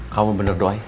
kamu bener doi